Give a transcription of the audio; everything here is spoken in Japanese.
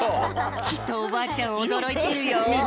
きっとおばあちゃんおどろいてるよ！